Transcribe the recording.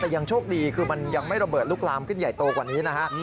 แต่ยังโชคดีคือมันยังไม่ระเบิดลุกลามขึ้นใหญ่โตกว่านี้นะฮะ